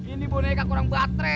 ini boneka kurang batre